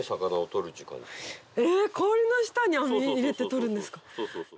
氷の下に網入れてとるんですか。